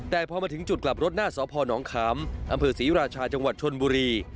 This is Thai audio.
แต่พอมาถึงจุดกลับรถหน้าสพนขามอำเภอศรีราชาจังหวัดชนบุรี